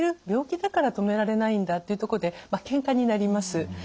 「病気だから止められないんだ」っていうとこでけんかになります。